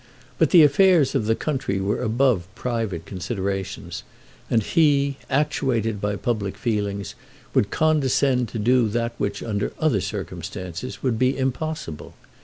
But the affairs of the country were above private considerations; and he, actuated by public feelings, would condescend to do that which under other circumstances would be impossible.